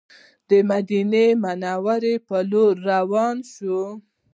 د مدینې منورې پر لور روان شوو.